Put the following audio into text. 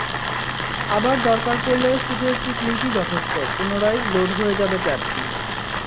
আবার দরকার পড়লে শুধু একটি ক্লিকই যথেষ্ট, পুনরায় লোড হয়ে যাবে ট্যাবটি।